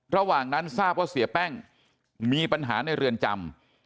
ระหว่างนั้นทราบว่าเสียแป้งมีปัญหาในเรือนจำ